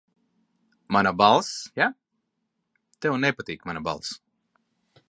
Mana balss, ja? Tev nepatīk mana balss.